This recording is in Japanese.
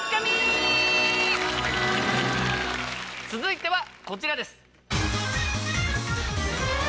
続いてはこちらです。